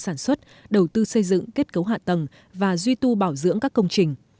sản xuất đầu tư xây dựng kết cấu hạ tầng và duy tu bảo dưỡng các công trình